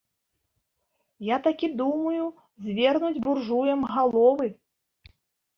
Я такі думаю, звернуць буржуям галовы!